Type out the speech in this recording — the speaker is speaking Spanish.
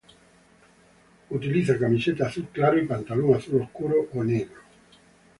Utiliza camiseta azul claro y pantalón azul oscuro o negro.